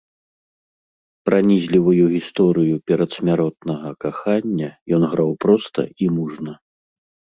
Пранізлівую гісторыю перадсмяротнага кахання ён граў проста і мужна.